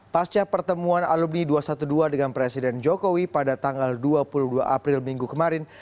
pasca pertemuan alumni dua ratus dua belas dengan presiden jokowi pada tanggal dua puluh dua april minggu kemarin